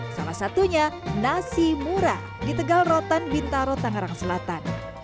salah satunya nasi murah di tegal rotan bintaro tangerang selatan